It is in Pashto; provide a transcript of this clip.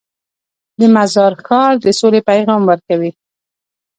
د مزار ښار د سولې پیغام ورکوي.